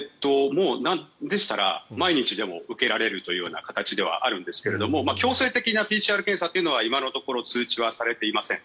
もうですから、毎日でも受けられるという形ではあるんですが強制的なＰＣＲ検査というのは今のところ通知はされていません。